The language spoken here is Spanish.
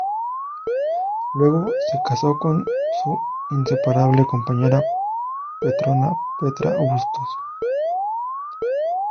Luego se casó con su inseparable compañera Petrona "Petra" Bustos.